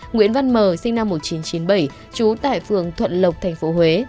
nguyễn văn m sinh năm một nghìn chín trăm chín mươi bảy trú tại phường thuận lộc tp huế